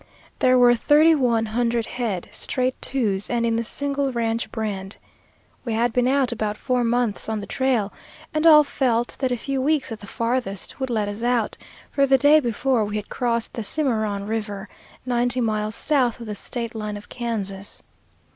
There were thirty one hundred head, straight "twos," and in the single ranch brand. We had been out about four months on the trail, and all felt that a few weeks at the farthest would let us out, for the day before we had crossed the Cimarron River, ninety miles south of the state line of Kansas.